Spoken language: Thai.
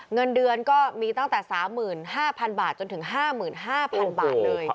เงินเดือนก็มีตั้งแต่๓๕๐๐๐บาทจนถึง๕๕๐๐๐บาทเลย